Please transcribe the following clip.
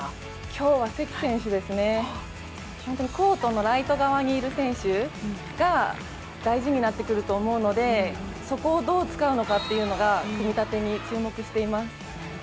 今日は関選手ですね、コートのライト側にいる選手が大事になってくると思うのでそこをどう使うのかというのが組み立てに、注目しています。